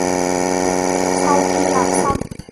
Sau khi làm xong